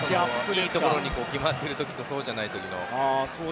いいところに決まる時とそうじゃない時の。